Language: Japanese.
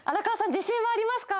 自信はありますか？